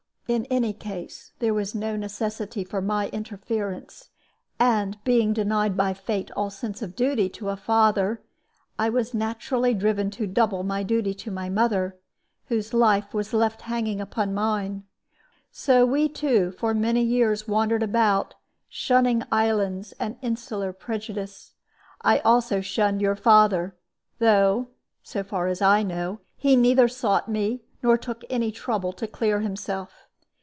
"In any case, there was no necessity for my interference; and being denied by fate all sense of duty to a father, I was naturally driven to double my duty to my mother, whose life was left hanging upon mine. So we two for many years wandered about, shunning islands and insular prejudice. I also shunned your father, though (so far as I know) he neither sought me nor took any trouble to clear himself.